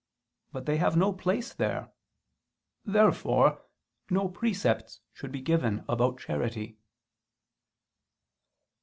But they have no place there. Therefore no precepts should be given about charity.